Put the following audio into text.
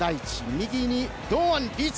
右に、堂安律。